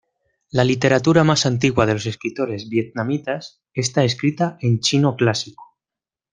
La literatura más antigua de los escritores vietnamitas está escrita en Chino Clásico.